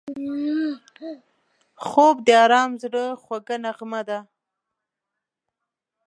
خوب د آرام زړه خوږه نغمه ده